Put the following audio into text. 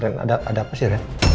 ren ada apa sih ren